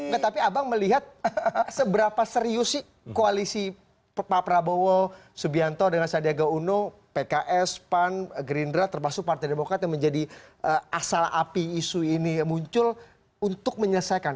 nah tapi abang melihat seberapa serius sih koalisi pak prabowo subianto dengan sandiaga uno pks pan gerindra termasuk partai demokrat yang menjadi asal api isu ini muncul untuk menyelesaikan